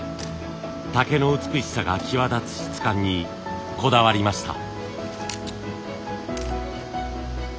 竹の美しさが際立つ質感にこだわりました。